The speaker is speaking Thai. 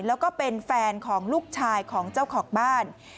แล้วก็เป็นแฟนของลูกชายของเจ้าของบ้าน